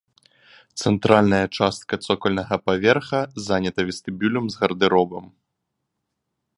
Цэнтральная частка цокальнага паверха занята вестыбюлем з гардэробам.